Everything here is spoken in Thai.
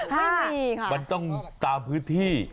ไม่มีค่ะมันต้องตามพื้นที่